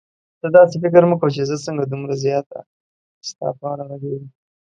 ته داسې فکر مه کوه چې زه څنګه دومره زیاته ستا په اړه غږېږم.